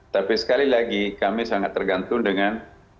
tapi sekali lagi kami sangat tergantung dengan